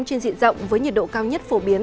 trên diện rộng với nhiệt độ cao nhất phổ biến